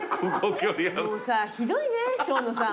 もうさひどいね生野さん。